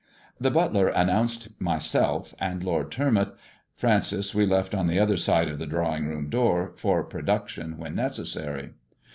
The butler announced myself and Lord Tormouth. Francis we left on the other side of the drawing room door for production when necessary.